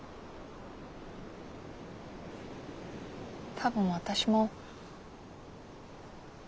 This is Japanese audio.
多分私も。